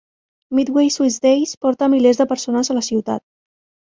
Midway Swiss Days porta milers de persones a la ciutat.